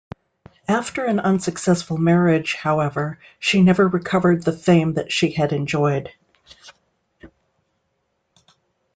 After an unsuccessful marriage, however, she never recovered the fame that she had enjoyed.